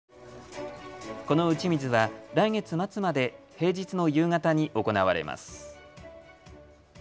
この打ち水は来月末まで平日の夕方に行われます。